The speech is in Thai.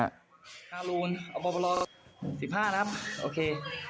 สิบห้านะครับโอเค